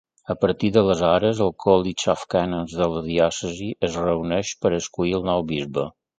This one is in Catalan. A partir d'aleshores, el College of Canons de la diòcesi es reuneix per escollir el nou bisbe.